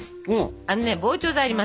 あのね膨張剤あります。